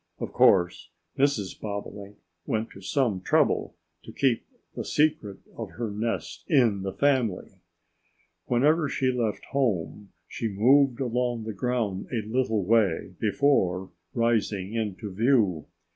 Of course, Mrs. Bobolink went to some trouble to keep the secret of her nest in the family. Whenever she left her home she moved along the ground a little way before rising into view.